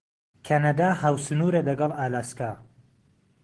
کەنەدا هاوسنوورە لەگەڵ ئالاسکا.